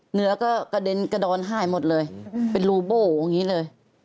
เหนือก็กระเด็นกระดอนไห้หมดเลยเป็นรูโบ้อย่างนี้เลย